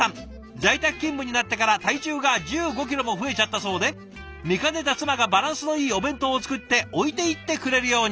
在宅勤務になってから体重が１５キロも増えちゃったそうで見かねた妻がバランスのいいお弁当を作って置いていってくれるように。